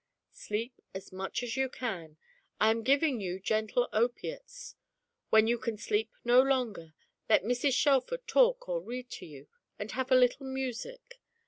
"Sleep as much as you can. I am giving you gentle opiates. When you can sleep no longer, let Mrs. Shelfer talk or read to you, and have a little music.